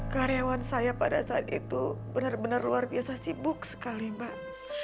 karyawan saya pada saat itu benar benar luar biasa sibuk sekali mbak